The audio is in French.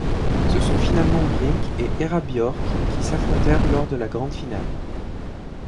Ce sont finalement Brink et Hera Björk qui s'affrontèrent lors de la grande finale.